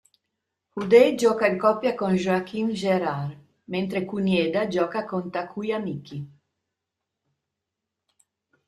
Houdet gioca in coppia con Joachim Gérard, mentre Kunieda gioca con Takuya Miki.